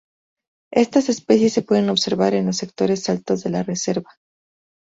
Estas especies se pueden observar en los sectores altos de la reserva.